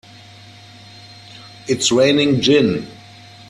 It's raining gin!